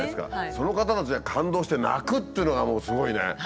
その方たちが感動して泣くっていうのがもうすごいね。